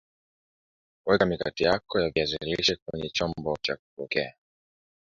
Weka mikate yako ya kiazi lishe kwenye chombo cha kuokea